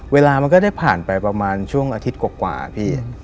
เวลามันก็ได้ผ่านไปประมาณช่วงอาทิตย์กว่าพี่